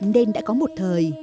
nên đã có một thời